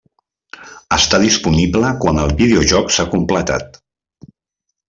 Està disponible quan el videojoc s'ha completat.